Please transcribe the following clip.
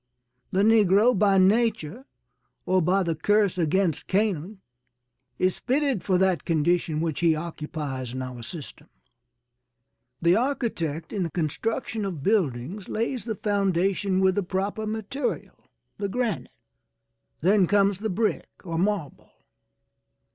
The negro, by nature or by the curse against Canaan is fitted for that condition which he occupies in our system. The architect in the construction of buildings lays the foundation with the proper material, the granite; then comes the brick or marble.